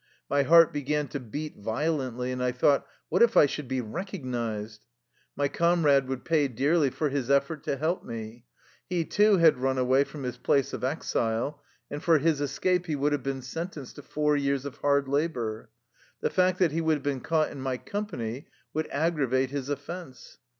My heart began to beat vio lently, and I thought: What if I should be recognized ! My comrade would pay dearly for his effort to help me. He, too, had run away from his place of exile, and for his escape he would have been sentenced to four years of hard labor. The fact that he would have been caught in my company would aggravate his offense.